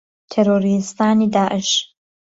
تیرۆریستانی داعش